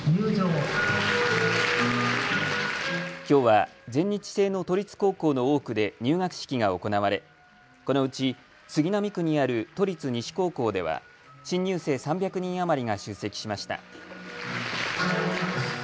きょうは全日制の都立高校の多くで入学式が行われこのうち杉並区にある都立西高校では新入生３００人余りが出席しました。